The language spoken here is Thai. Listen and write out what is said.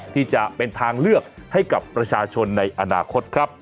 ที่จะเป็นทางเลือกให้กับประชาชนในอนาคตครับ